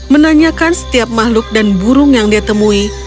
menanyakan setiap makhluk dan burung yang dia temui